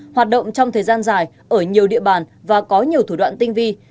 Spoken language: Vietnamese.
hoạt động trong thời gian dài ở nhiều địa bàn và có nhiều thủ đoạn tinh vi